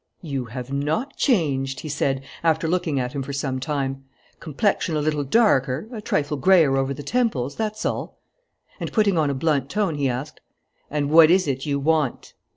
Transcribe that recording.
"You have not changed," he said, after looking at him for some time. "Complexion a little darker, a trifle grayer over the temples, that's all." And putting on a blunt tone, he asked: "And what is it you want?"